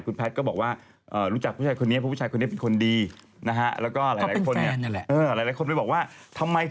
คุณแพทย์ก็บอกว่ารู้จักผู้ชาย